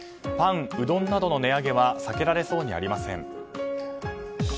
パン、うどんなどの値上げは避けられそうにありません。